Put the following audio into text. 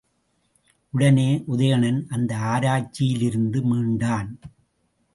உடனே உதயணன் அந்த ஆராய்ச்சியிலிருந்து மீண்டான்.